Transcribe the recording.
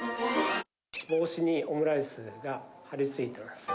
帽子にオムライスが張り付いてます。